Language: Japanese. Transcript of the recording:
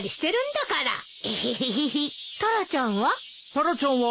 タラちゃんは？